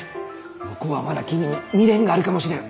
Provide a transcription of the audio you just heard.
向こうはまだ君に未練があるかもしれん。